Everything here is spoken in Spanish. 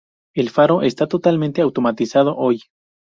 El faro está totalmente automatizado hoy.